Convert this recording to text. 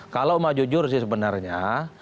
kalau maju jurus sih sebenarnya